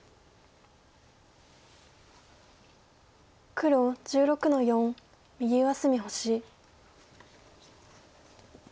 黒１６の四右上隅星。